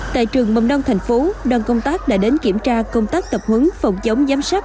tại trường mông đông tp đoàn công tác đã đến kiểm tra công tác tập hứng phòng chống giám sát